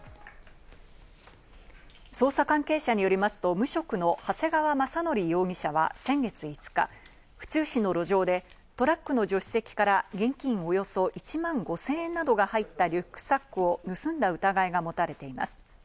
捜査関係者によりますと無職の長谷川政則容疑者は先月５日、府中市の路上でトラックの助手席から現金およそ１万５０００円などが入ったリュックサックを盗んだ疑いがもたれています。